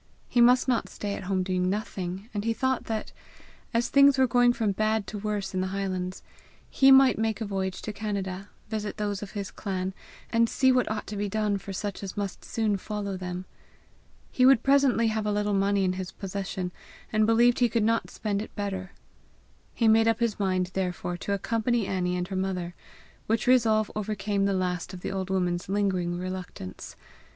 He must not stay at home doing nothing, and he thought that, as things were going from bad to worse in the highlands, he might make a voyage to Canada, visit those of his clan, and see what ought to be done for such as must soon follow them. He would presently have a little money in his possession, and believed he could not spend it better. He made up his mind therefore to accompany Annie and her mother, which resolve overcame the last of the old woman's lingering reluctance.